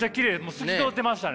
透き通ってましたね。